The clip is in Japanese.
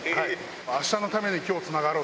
明日のために、今日つながろう。